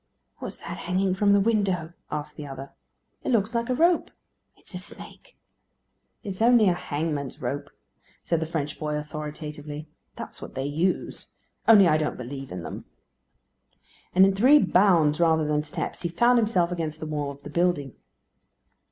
"What's that hanging from the window?" asked the other. "It looks like a rope." "It's a snake." "It is only a hangman's rope," said the French boy, authoritatively. "That's what they use. Only I don't believe in them." And in three bounds, rather than steps, he found himself against the wall of the building.